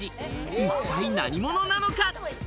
一体何者なのか？